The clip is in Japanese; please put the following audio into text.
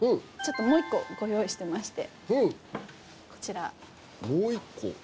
ちょっともう一個ご用意してましてこちらもう一個？